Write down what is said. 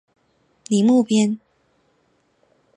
宁木边。